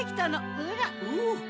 ほら。